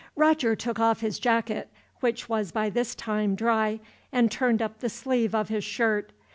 Roger took off his jacket, which was by this time dry, and turned up the sleeve of his shirt.